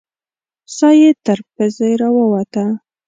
ساه یې تر پزې راووته.